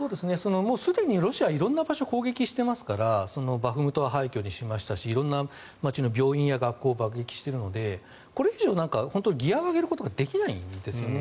すでにロシアは色んな場所を攻撃していますからバフムトを廃虚にしましたし色んな街の病院や学校を爆撃しているのでこれ以上ギアを上げることができないんですよね。